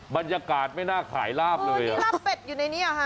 บรรยากาศไม่น่าขายลาบเลยอ่ะลาบเป็ดอยู่ในเนี้ยฮะ